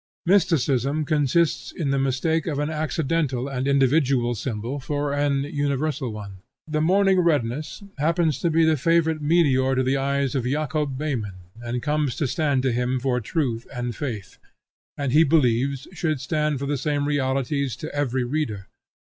Mysticism consists in the mistake of an accidental and individual symbol for an universal one. The morning redness happens to be the favorite meteor to the eyes of Jacob Behmen, and comes to stand to him for truth and faith; and, he believes, should stand for the same realities to every reader.